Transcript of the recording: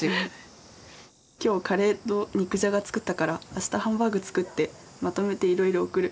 「今日カレーと肉じゃが作ったから明日ハンバーグ作ってまとめて色々送る！」。